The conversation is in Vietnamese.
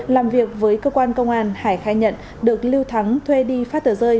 làm việc với cơ quan công an hải khai nhận được lưu thắng thuê đi phát tờ rơi